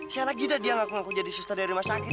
si anak jita dia ngaku ngaku jadi suster dari rumah sakit